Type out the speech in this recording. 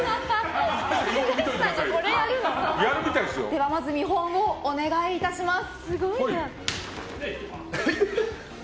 では見本をお願いいたします。